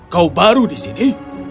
kau baru di sini